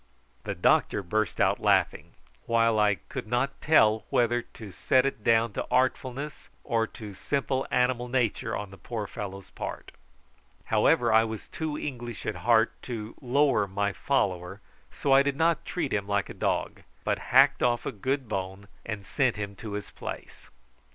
The doctor burst out laughing, while I could not tell whether to set it down to artfulness or to simple animal nature on the poor fellow's part. However, I was too English at heart to lower my follower, so I did not treat him like a dog, but hacked off a good bone and sent him to his place.